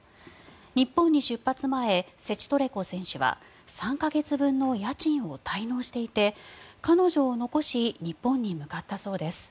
日本に出発前セチトレコ選手は３か月分の家賃を滞納していて彼女を残し日本に向かったそうです。